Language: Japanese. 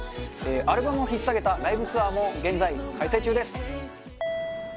アルバムを引っ提げたライブツアーも現在開催中です